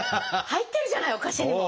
入ってるじゃないお菓子にも。